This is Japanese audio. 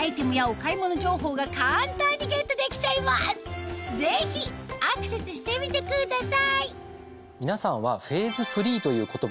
画面右上のぜひアクセスしてみてください